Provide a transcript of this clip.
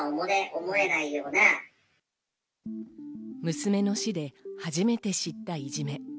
娘の死で初めて知ったいじめ。